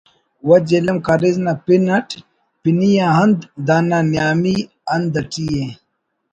و جہلم کاریز نا پن اٹ پنی آ ہند دانا نیامی ہند اٹی ءِ